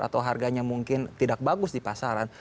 atau harganya mungkin tidak bagus di pasaran